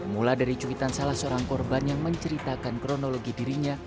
mula dari cuitan salah seorang korban yang menceritakan kronologi dirinya